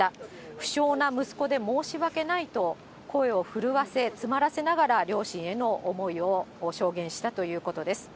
不肖な息子で申し訳ないと、声を震わせ、詰まらせながら、両親への思いを証言したということです。